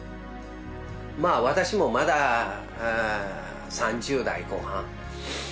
まあ私もまだ３０代後半。